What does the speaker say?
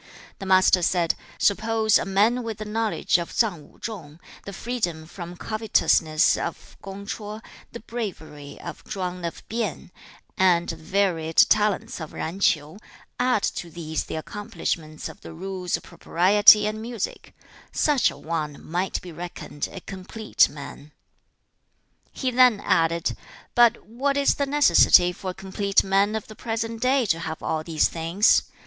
The Master said, 'Suppose a man with the knowledge of Tsang Wu chung, the freedom from covetousness of Kung ch'o, the bravery of Chwang of Pien, and the varied talents of Zan Ch'iu; add to these the accomplishments of the rules of propriety and music: such a one might be reckoned a COMPLETE man.' 2. He then added, 'But what is the necessity for a complete man of the present day to have all these things?